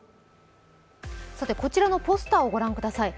こちらのポスターをご覧ください。